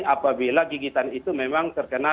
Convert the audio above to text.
apabila gigitan itu memang terkena